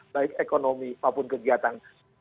baik ekonomi apapun kegiatan